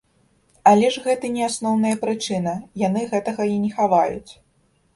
Але ж гэта не асноўная прычына, яны гэтага і не хаваюць.